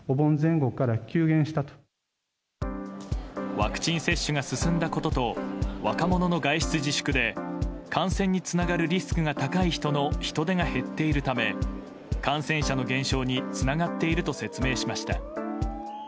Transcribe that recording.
ワクチン接種が進んだことと若者の外出自粛で感染につながるリスクが高い人の人出が減っているため感染者の減少につながっていると説明しました。